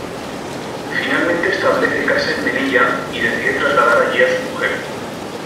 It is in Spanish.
Finalmente establece casa en Melilla y decide trasladar allí a su mujer.